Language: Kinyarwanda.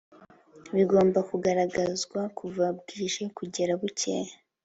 bigomba kugaragazwa kuva bwije kugera bukeye